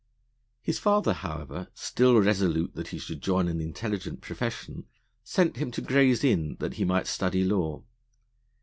His father, however, still resolute that he should join an intelligent profession, sent him to Gray's Inn that he might study law.